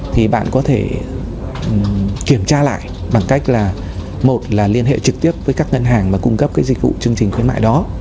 thì bạn có thể kiểm tra lại bằng cách là một là liên hệ trực tiếp với các ngân hàng mà cung cấp cái dịch vụ chương trình khuyến mại đó